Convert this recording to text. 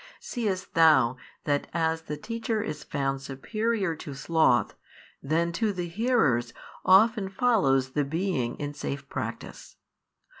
Seest thou that as the teacher is found superior to sloth, then to the hearers often follows the being in safe practice?